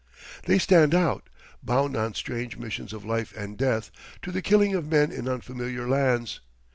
They stand out, bound on strange missions of life and death, to the killing of men in unfamiliar lands.